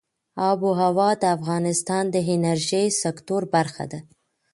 آب وهوا د افغانستان د انرژۍ سکتور برخه ده.